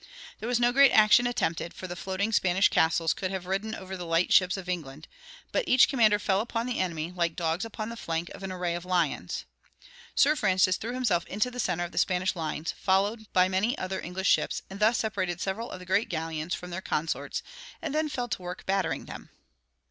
There was no general action attempted, for the floating Spanish castles could have ridden over the light ships of England; but each commander fell upon the enemy, like dogs upon the flank of an array of lions. Sir Francis threw himself into the center of the Spanish lines, followed by many other English ships, and thus separated several of the great galleons from their consorts, and then fell to work battering them.